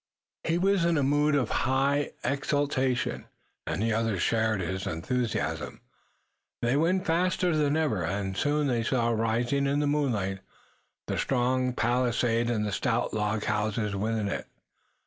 He was in a mood of high exaltation, and the others shared his enthusiasm. They went faster than ever, and soon they saw rising in the moonlight the strong palisade and the stout log houses within it.